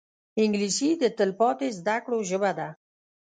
انګلیسي د تلپاتې زده کړو ژبه ده